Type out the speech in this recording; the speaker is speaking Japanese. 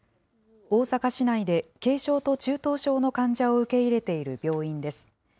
大阪市内で、軽症と中等症の患者を受け入れている病院です。